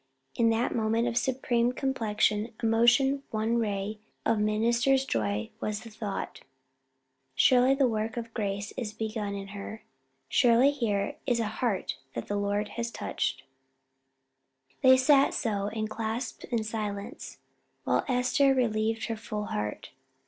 In that moment of supreme complex emotion one ray of the minister's joy was the thought, "Surely the work of grace is begun in her surely here is a heart that the Lord hath touched." They sat so, enclasped in silence, while Esther relieved her full heart.